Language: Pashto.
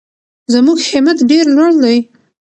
زموږ همت ډېر لوړ دی.